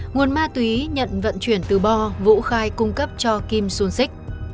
nguồn ma túy nhận vận chuyển từ bo vũ khai cung cấp cho kim xuân xích